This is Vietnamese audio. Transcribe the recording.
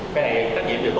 cái này trách nhiệm về tố bộ